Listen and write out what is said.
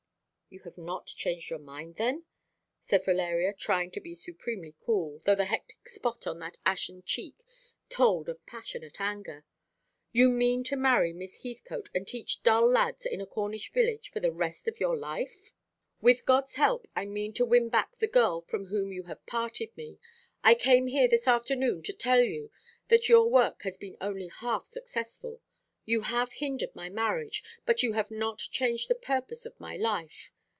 "You have not changed your mind, then?" said Valeria, trying to be supremely cool, though the hectic spot upon that ashen cheek told of passionate anger. "You mean to marry Miss Heathcote, and teach dull lads in a Cornish village for the rest of your life?" "With God's help I mean to win back the girl from whom you have parted me. I came here this afternoon to tell you that your work has been only half successful. You have hindered my marriage, but you have not changed the purpose of my life.